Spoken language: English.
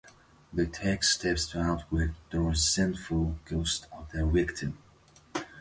They take steps to outwit the resentful ghost of their victim.